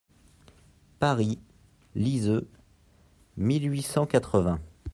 (Paris, Liseux, mille huit cent quatre-vingts.